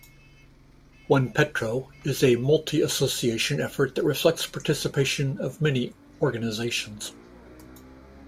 OnePetro is a multi-association effort that reflects participation of many organizations.